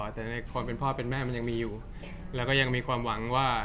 แต่ในความเป็นพ่อเป็นแม่มันยังมีอยู่แล้วก็ยังมีความหวังว่า